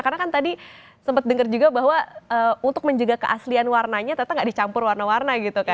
karena kan tadi sempat dengar juga bahwa untuk menjaga keaslian warnanya ternyata gak dicampur warna warna gitu kan